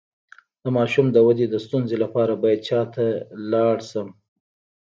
د ماشوم د ودې د ستونزې لپاره باید چا ته لاړ شم؟